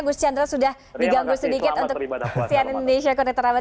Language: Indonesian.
gus chandros sudah diganggu sedikit untuk persiap indonesia